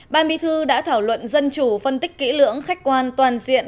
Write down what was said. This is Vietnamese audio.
ban bí thư đã thảo luận dân chủ phân tích kỹ lưỡng khách quan toàn diện